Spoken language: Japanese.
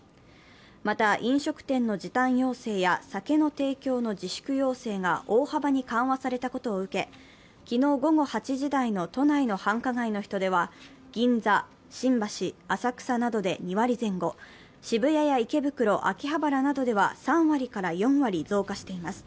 また、飲食店の時短要請や酒の提供の自粛要請が大幅に緩和されたことを受け、昨日午後８時台の都内の繁華街の人出は銀座、新橋、浅草などで２割前後、渋谷や池袋、秋葉原などでは３割から４割増加しています。